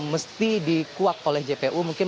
mesti dikuak oleh jpu mungkin